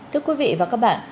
thưa quý vị và các bạn